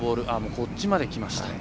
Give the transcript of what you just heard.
こっちまできました。